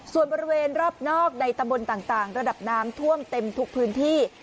ส่วนบริเวณรอบนอกในตำบลต่างระดับน้ำท่วมเต็มทุกพื้นที่